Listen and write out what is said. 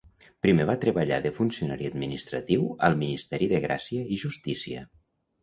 Primer va treballar de funcionari administratiu al Ministeri de gràcia i justícia.